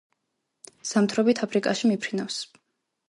ზამთრობით აფრიკაში მიფრინავს.